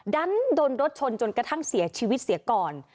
ดันโดนรถชนจนกระทั่งเสียชีวิตเสียก่อน